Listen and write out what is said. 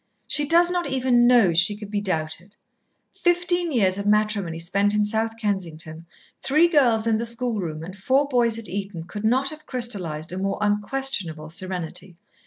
She does not even know she could be doubted. Fifteen years of matrimony spent in South Kensington, three girls in the schoolroom and four boys at Eton, could not have crystallised a more unquestionable serenity.